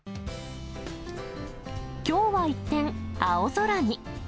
きょうは一転、青空に。